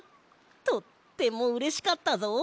とってもうれしかったぞ。